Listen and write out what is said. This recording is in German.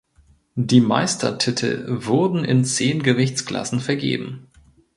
Die Meistertitel wurden in zehn Gewichtsklassen vergeben.